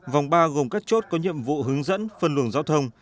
vòng ba gồm các chốt có nhiệm vụ hướng dẫn phân luồng giao thông